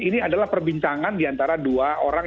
ini adalah perbincangan diantara dua orang